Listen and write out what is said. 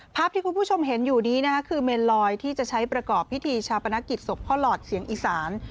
ภาพที่คุณผู้ชมเห็นอยู่นี้นะคะคือเมนลอยที่จะใช้ประกอบพิธีชาปนกิจศพพ่อหลอดเสียงอีสาน